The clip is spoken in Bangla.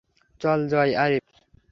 চল জয় আরিফ!